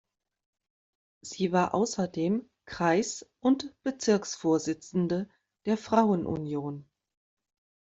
Sie war außerdem Kreis- und Bezirksvorsitzende der Frauen-Union.